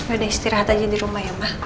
udah istirahat aja di rumah ya mbak